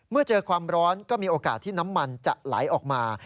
เมื่อเจอความร้อนก็มีโอกาสที่น้ำมันจะไหลออกมา